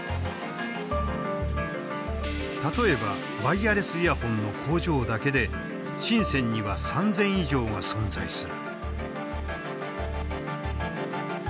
例えばワイヤレスイヤホンの工場だけで深には３，０００以上が存在する。